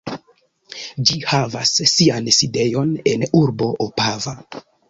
Ĝi havas sian sidejon en urbo Opava.